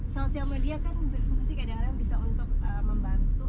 sosial media kan berfungsi kadang kadang bisa untuk membantu